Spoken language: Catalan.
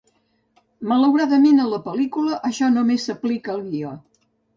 Malauradament, a la pel·lícula, això només s'aplica al guió.